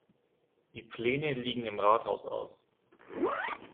Die Pläne liegen im Rathaus aus.